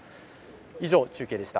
以上、中継でした。